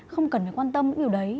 không cần phải quan tâm những điều đấy